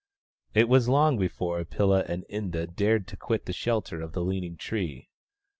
It was long before Pilla and Inda dared to quit the shelter of the leaning tree.